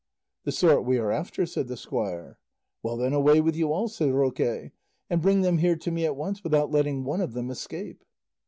"The sort we are after," said the squire. "Well then, away with you all," said Roque, "and bring them here to me at once without letting one of them escape."